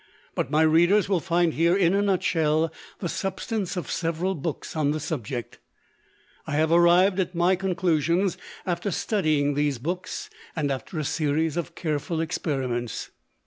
But my readers will find here in a nutshell the substance of several books on the subject. I have arrived at my conclusions after studying these books, and after a series of careful experiments.